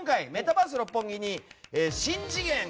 そして今回、メタバース六本木に「しん次元！